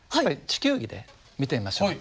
地球儀で見てみましょう。